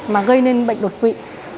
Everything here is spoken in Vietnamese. mà gây nên bệnh đột quỵ